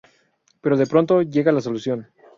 Pero de pronto llega la solución.